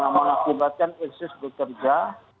yang mengakibatkan insis bekerja